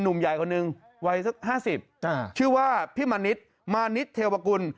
หนุ่มใหญ่คนหนึ่งวัยสัก๕๐ชื่อว่าพี่มณิษฐ์มานิดเทวกุล